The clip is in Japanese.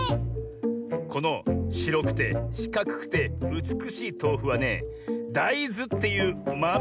このしろくてしかくくてうつくしいとうふはね「だいず」っていうまめでできてるのさ。